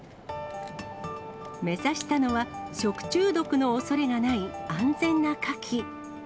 目指したのは食中毒のおそれがない安全なカキ。